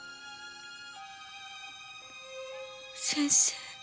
先生。